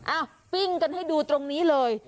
ปิ้งกันให้ดูตรงนี้เลย